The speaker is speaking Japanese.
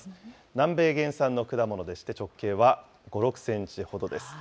南米原産の果物でして、直径は５、６センチほどです。